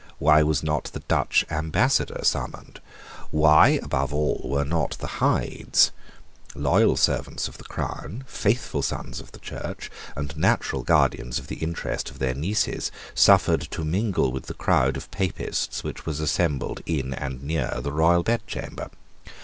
Why was not the Dutch Ambassador summoned? Why, above all, were not the Hydes, loyal servants of the crown, faithful sons of the Church, and natural guardians of the interest of their nieces, suffered to mingle with the crowd of Papists which was assembled in and near the royal bedchamber?